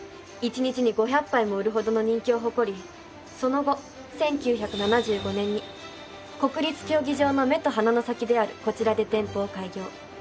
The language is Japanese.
一日に５００杯も売るほどの人気を誇りその後１９７５年に国立競技場の目と鼻の先であるこちらで店舗を開業。